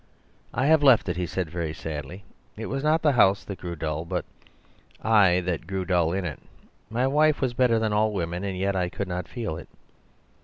"'I have left it,' he said very sadly. 'It was not the house that grew dull, but I that grew dull in it. My wife was better than all women, and yet I could not feel it.